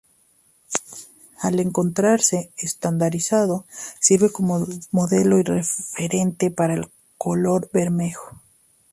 Al encontrarse estandarizado, sirve como modelo y referente para el color bermejo.